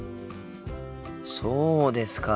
そうですか。